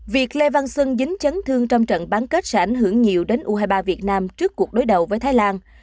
việc lê văn xuân dính chấn thương trong trận bán kết sẽ ảnh hưởng nhiều đến u hai mươi ba việt nam trước cuộc đối đầu với thái lan